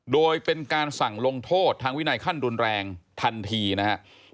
โดยเป็นการสั่งลงโทษทางวินัยขั้นรุนแรงทันทีนะครับ